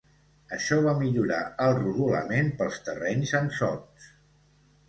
Això va millorar el rodolament pels terrenys amb sots.